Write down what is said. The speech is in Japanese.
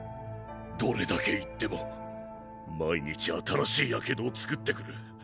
どれだけ言っても毎日新しい火傷をつくってくる。